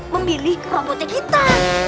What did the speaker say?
memilih mahotek kita